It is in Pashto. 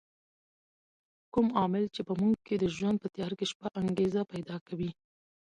کوم عامل چې په موږ کې د ژوند په تیاره شپه انګېزه پیدا کوي.